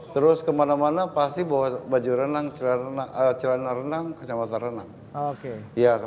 terus kemana mana pasti bawa baju renang celana renang ke jawa tengah